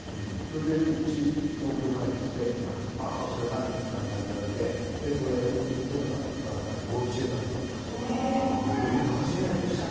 それで日本に帰ってきてあなたそれ何？とかみさんに言われてこれ売っていたから、と言ったらゴルティエだったんですよ。